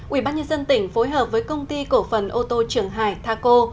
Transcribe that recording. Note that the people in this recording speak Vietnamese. ubnd tỉnh phối hợp với công ty cổ phần ô tô trường hải tha cô